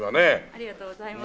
ありがとうございます。